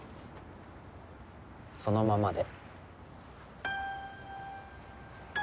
そのままで。